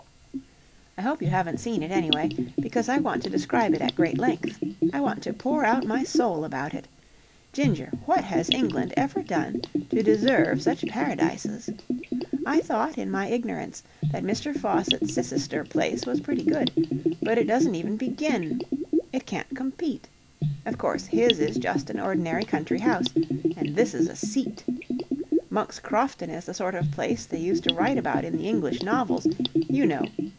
I hope you haven't seen it, anyway, because I want to describe it at great length. I want to pour out my soul about it. Ginger, what has England ever done to deserve such paradises? I thought, in my ignorance, that Mr. Faucitt's Cissister place was pretty good, but it doesn't even begin. It can't compete. Of course, his is just an ordinary country house, and this is a Seat. Monk's Crofton is the sort of place they used to write about in the English novels. You know.